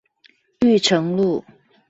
裕誠路